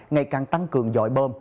ngày càng tăng cường dội bơm